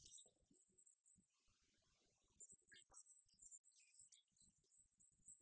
ทำไมไว้มีที่เดี่ยวกับคุณเต้นให้ได้เข้าในตำนานอีกแล้ว